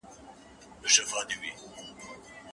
زه کولای شم کتاب ولولم.